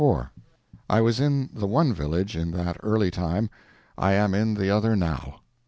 I was in the one village in that early time; I am in the other now.